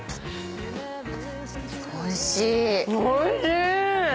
おいしい！